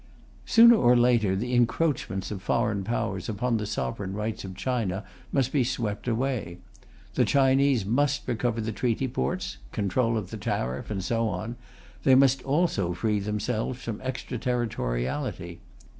Sooner or later, the encroachments of foreign Powers upon the sovereign rights of China must be swept away. The Chinese must recover the Treaty Ports, control of the tariff, and so on; they must also free themselves from extra territoriality.